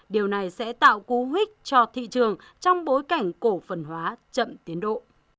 điều này sẽ tạo cú hích cho thị trường trong bối cảnh cổ phần hóa chậm tiến độ